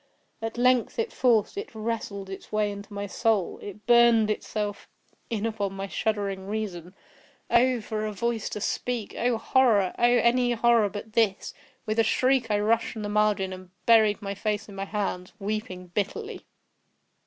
At length it forced—it wrestled its way into my soul—it burned itself in upon my shuddering reason. Oh! for a voice to speak!—oh! horror!—oh! any horror but this! With a shriek, I rushed from the margin, and buried my face in my hands—weeping bitterly.